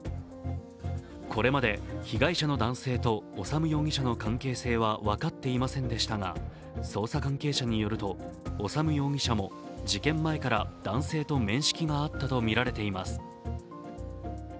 これまで被害者の男性と修容疑者の関係性は分かっていませんでしたが捜査関係者によると、修容疑者も事件前から男性と面識があったとみられています。